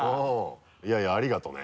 いやいやありがとね。